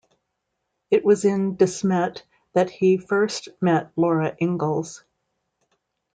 It was in De Smet that he first met Laura Ingalls.